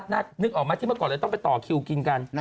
นึกออกไหมที่เมื่อก่อนเราต้องไปต่อคิวกินกัน